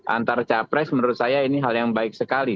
antar capres menurut saya ini hal yang baik sekali